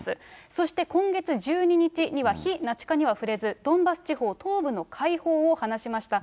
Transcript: そして今月１２日には、非ナチ化には触れず、ドンバス地方東部の解放を話しました。